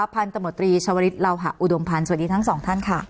พันธุ์ตำรวจตรีชาวฤษลาวหะอุดวงภัณฑ์สวัสดีทั้งสองท่านค่ะ